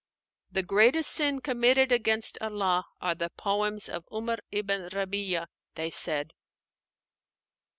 "The greatest sin committed against Allah are the poems of 'Umar ibn Rabí'a," they said.